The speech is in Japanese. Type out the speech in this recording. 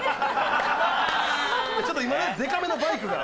ちょっと今ねでかめのバイクが。